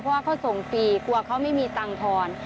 เพราะว่าเขาส่งฟรีกลัวเขาไม่มีตังค์ทอน